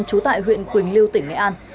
chú tại huyện quỳnh lưu tỉnh nghệ an